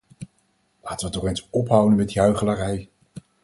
Laten we toch eens ophouden met die huichelarij.